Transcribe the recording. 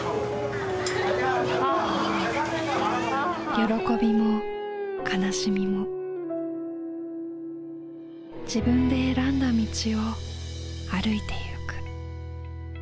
喜びも悲しみも自分で選んだ道を歩いてゆく。